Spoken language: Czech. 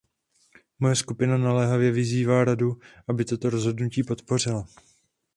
Moje skupina naléhavě vyzývá Radu, aby toto rozhodnutí podpořila.